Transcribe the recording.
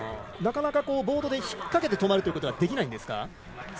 なかなかボードで引っかけて、止まることはできないんですか。